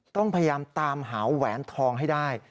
ต้องพยายามตามหาแหวนทองให้ได้